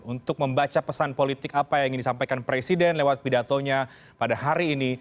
untuk membaca pesan politik apa yang ingin disampaikan presiden lewat pidatonya pada hari ini